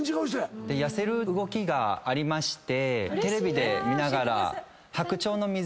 痩せる動きがありまして。